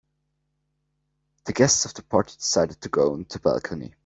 The guests of the party decided to go on the balcony.